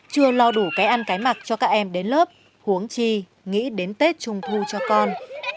chưa lo đủ cái ăn cái mặc cho các em đến lớp uống chi nghĩ đến tết trung thu cho con